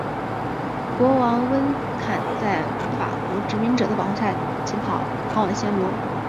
国王温坎在法国殖民者的保护下逃往暹罗。